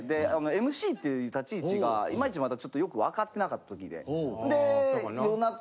ＭＣっていう立ち位置がイマイチまだちょっとよくわかってなかった時で。